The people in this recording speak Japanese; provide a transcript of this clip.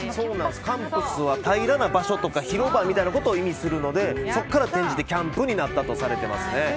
カンプスは平らな場所とか広場みたいなことを意味するのでそこから転じてキャンプになったとされています。